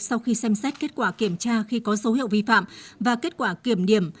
sau khi xem xét kết quả kiểm tra khi có dấu hiệu vi phạm và kết quả kiểm điểm